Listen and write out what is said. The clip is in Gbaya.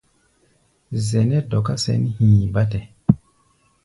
Zɛʼnɛ́ dɔká sɛ̌n hi̧i̧ bátɛ.